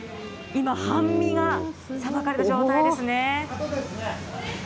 今、半身がさばかれる状態ですね。